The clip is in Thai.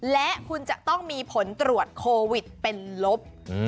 และคุณจะต้องมีผลตรวจโควิดเป็นลบ